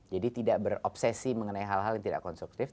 jadi tidak berobsesi mengenai hal hal yang tidak konstruktif